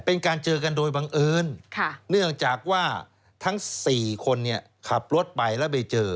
เป็นการเจอกันโดยบังเอิญเนื่องจากว่าทั้ง๔คนเนี่ยขับรถไปแล้วไปเจอ